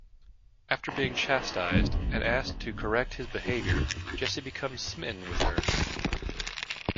After being chastised and asked to correct his behavior, Jesse becomes smitten with her.